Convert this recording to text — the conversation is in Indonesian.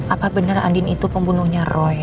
apa benar andin itu pembunuhnya roy